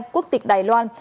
quốc tịch đài loan